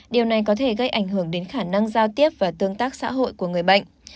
điều này có thể gây ảnh hưởng đến khả năng giao tiếp và tương tác xã hội của người bệnh